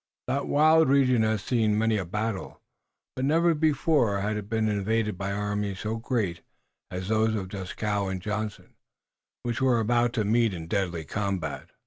That wild region had seen many a battle, but never before had it been invaded by armies so great as those of Dieskau and Johnson, which were about to meet in deadly combat.